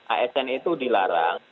asn itu dilarang